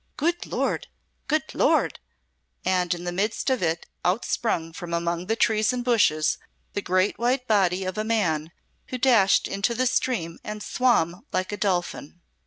Good Lord! Good Lord!" And in the midst of it out sprang from among the trees and bushes the great white body of a man, who dashed into the stream and swam like a dolphin.